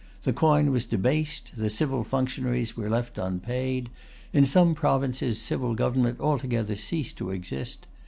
The coin was debased, the civil functionaries were left unpaid; in some provinces civil government altogether ceased to exist.